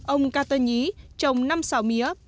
ông kater nhi trồng năm xào mía